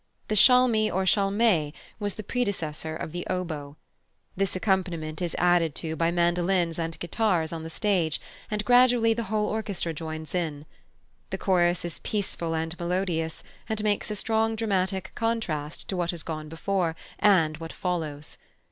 The schalmey or schalmei was the predecessor of the oboe. This accompaniment is added to by mandolins and guitars on the stage, and gradually the whole orchestra joins in. The chorus is peaceful and melodious, and makes a strong dramatic contrast to what has gone before and what follows.